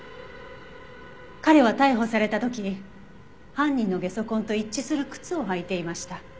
彼は逮捕された時犯人のゲソ痕と一致する靴を履いていました。